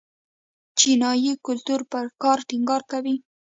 چینايي کلتور پر کار ټینګار کوي.